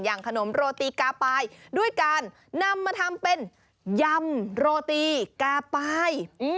ขนมโรตีกาปายด้วยการนำมาทำเป็นยำโรตีกาปาย